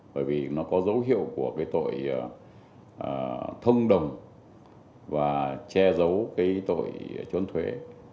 bởi vì nó có dấu hiệu của cái tội thông đồng và che giấu cái tội trốn thuế